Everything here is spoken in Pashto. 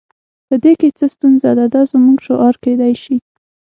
په دې کې څه ستونزه ده دا زموږ شعار کیدای شي